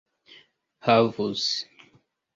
havus